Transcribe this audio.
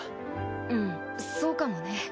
うんそうかもね。